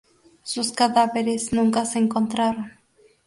Sus cadáveres nunca se encontraron.